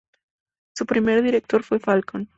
Su primer director fue Falcón.